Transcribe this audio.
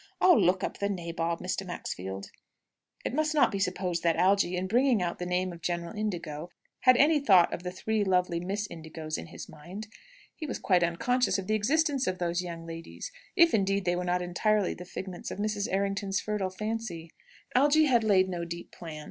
I'll look up the nabob, Mr. Maxfield." It must not be supposed that Algy, in bringing out the name of General Indigo, had any thought of the three lovely Miss Indigos in his mind. He was quite unconscious of the existence of those young ladies; if, indeed, they were not entirely the figments of Mrs. Errington's fertile fancy. Algy had laid no deep plans.